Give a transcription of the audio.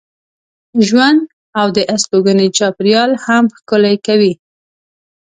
ژوند او د استوګنې چاپېریال هم ښکلی کوي.